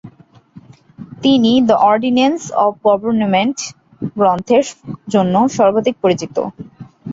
তিনি "the ordinance of government" গ্রন্থের জন্য সর্বাধিক পরিচিত।